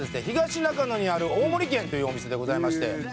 東中野にある大盛軒というお店でございまして。